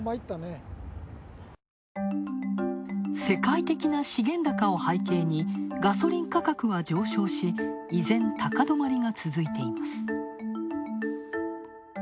世界的な資源高を背景に、ガソリン価格は上昇し、以前高止まりが続いています。